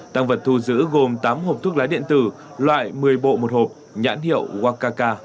tăng vật thu giữ gồm tám hộp thuốc lá điện tử loại một mươi bộ một hộp nhãn hiệu wakaka